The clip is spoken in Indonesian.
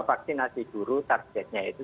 vaksinasi guru targetnya itu